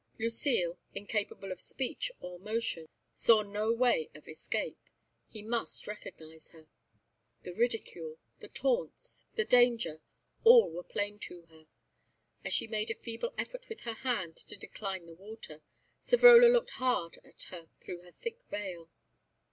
Lucile, incapable of speech or motion, saw no way of escape. He must recognise her. The ridicule, the taunts, the danger, all were plain to her. As she made a feeble effort with her hand to decline the water, Savrola looked hard at her through her thick veil.